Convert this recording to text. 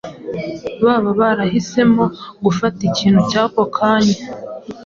Baba barahisemo gufata ikintu “cy’ako kanya.”